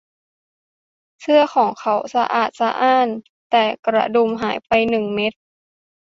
เสื้อของเขาสะอาดสะอ้านแต่กระดุมหายไปหนึ่งเม็ด